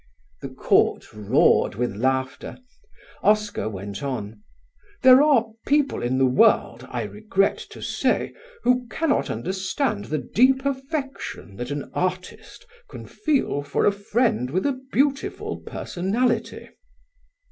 The Court roared with laughter. Oscar went on: "There are people in the world, I regret to say, who cannot understand the deep affection that an artist can feel for a friend with a beautiful personality."